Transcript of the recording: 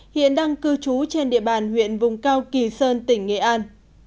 hiện đang cư trú trên địa bàn huyện vùng cao kỳ sơn tỉnh nghệ an